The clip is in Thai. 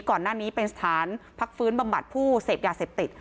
ก่อนหน้านี้เป็นสถานพักฟื้นบำบัดผู้เสพยาเสพติด